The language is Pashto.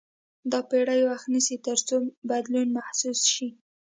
دا پېړۍ وخت نیسي تر څو بدلون محسوس شي.